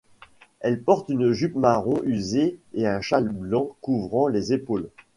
Elle porte une jupe marron usée et un châle blanc couvrant les épaules.